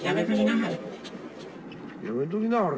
やめときなはれ。